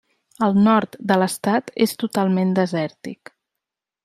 El nord de l'estat és totalment desèrtic.